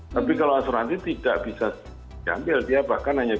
tapi kalau asuransi tidak bisa diambil dia bahkan hanya